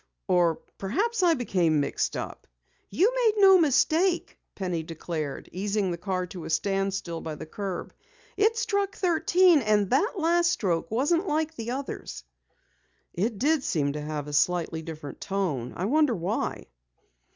"Or perhaps I became mixed up!" "You made no mistake," Penny declared, easing the car to a standstill by the curb. "It struck thirteen, and that last stroke wasn't like the others!" "It did seem to have a slightly different tone. I wonder why?"